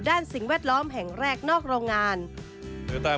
สิ่งแวดล้อมแห่งแรกนอกโรงงาน